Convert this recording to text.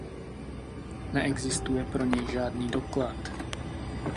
Neexistuje pro něj žádný doklad.